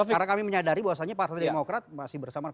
karena kami menyadari bahwasannya partai demokrat masih bersama